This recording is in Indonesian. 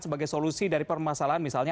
sebagai solusi dari permasalahan misalnya